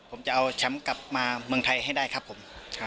ผมจะเอาแชมป์กลับมาเมืองไทยให้ได้ครับผม